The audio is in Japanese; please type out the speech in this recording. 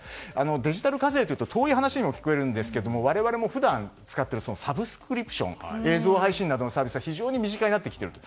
デジタル課税というと遠い話にも聞こえるんですけども我々も普段使っているサブスクリプション映像配信などのサービスは非常に身近になってきていると。